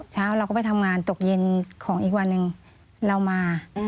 เช้าเราก็ไปทำงานตกเย็นของอีกวันหนึ่งเรามา